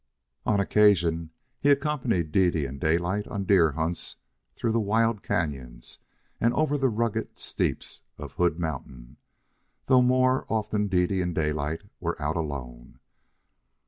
On occasion he accompanied Dede and Daylight on deer hunts through the wild canons and over the rugged steeps of Hood Mountain, though more often Dede and Daylight were out alone.